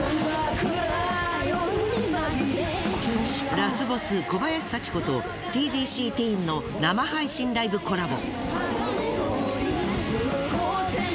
ラスボス小林幸子とＴＧＣｔｅｅｎの生配信ライブコラボ。